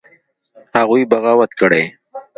هغوى بغاوت کړى.